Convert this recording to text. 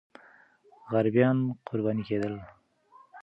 غریبان قرباني کېدل.